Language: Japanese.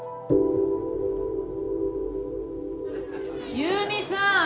優美さん